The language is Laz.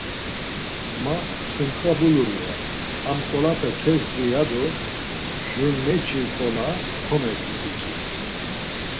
Ma sontxa bulur ya, ham ǩolape kezdi ya do jurneçi ǩola komeçu biç̌is.